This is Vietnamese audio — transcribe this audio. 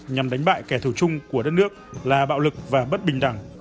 nhằm đánh bại kẻ thù chung của đất nước là bạo lực và bất bình đẳng